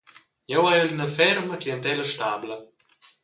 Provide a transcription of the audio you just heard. Jeu haiel ina ferma clientella stabla.